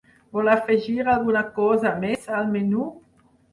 Vol afegir alguna cosa més al menú?